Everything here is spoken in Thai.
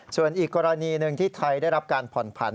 ส่วนอีกกรณีหนึ่งที่ไทยได้รับการผ่อนผัน